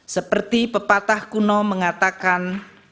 seperti pepatah kuno mengatakan